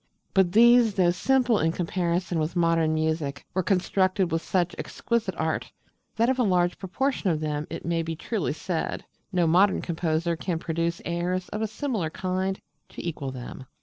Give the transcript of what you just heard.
But these, though simple in comparison with modern music, were constructed with such exquisite art that of a large proportion of them it may be truly said no modern composer can produce airs of a similar kind to equal them.